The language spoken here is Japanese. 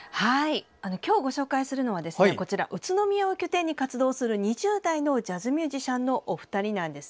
今日ご紹介するのは宇都宮を拠点に活動する２０代のジャズミュージシャンのお二人です。